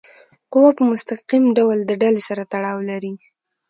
قوه په مستقیم ډول د ډلي سره تړاو لري.